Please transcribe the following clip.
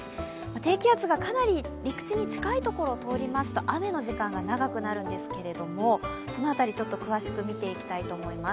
低気圧がかなり陸地に近い所を通りますと雨の時間が長くなるんですけど、そのあたり詳しく見ていきたいと思います。